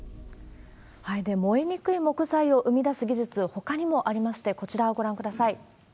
燃えにくい木材を生み出す技術、ほかにもありまして、こちらをご覧ください。